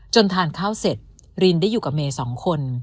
ทานข้าวเสร็จรินได้อยู่กับเมย์สองคน